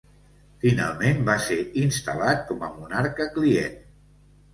Finalment va ser instal·lat com a monarca client.